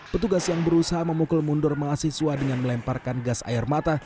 petugas yang berusaha memukul mundur mahasiswa dengan melemparkan gas air mata